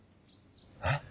えっ？